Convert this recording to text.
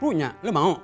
punya lu mau